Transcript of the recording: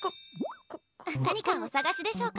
何かお探しでしょうか？